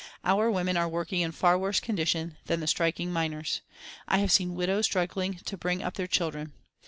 Our women are working in far worse condition than the striking miners. I have seen widows struggling to bring up their children.